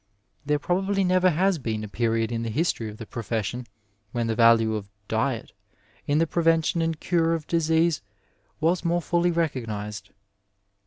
There probably never has been a period in the history of the profession when the value of diet in the prevention and the cure of disease was more fully recognized.